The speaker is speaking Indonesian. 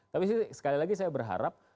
tapi sekali lagi saya berharap